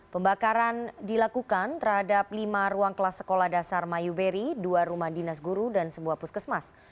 pembakaran dilakukan terhadap lima ruang kelas sekolah dasar mayuberi dua rumah dinas guru dan sebuah puskesmas